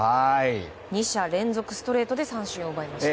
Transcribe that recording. ２者連続、ストレートで三振を奪いました。